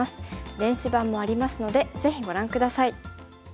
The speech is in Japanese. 電子版もありますのでぜひご覧下さい。